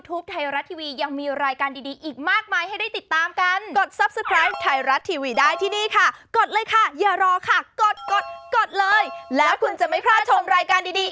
ขึ้นมายาวมากอะคุณที่สถานทำลายแตกฟองเลย